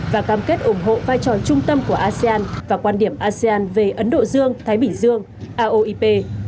và cam kết ủng hộ vai trò trung tâm của asean và quan điểm asean về ấn độ dương thái bình dương aoip